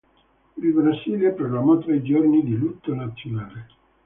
Il Brasile proclamò tre giorni di lutto nazionale.